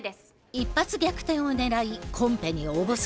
一発逆転を狙いコンペに応募する。